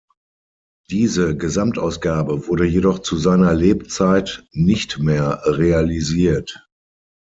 Diese Gesamtausgabe wurde jedoch zu seiner Lebzeit nicht mehr realisiert.